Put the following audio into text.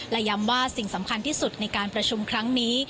และย้ำว่าสิ่งสำคัญที่สุดในการประชุมครั้งนี้